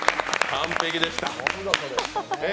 完璧でした。